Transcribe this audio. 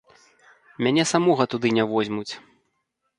Мяне самога туды не возьмуць.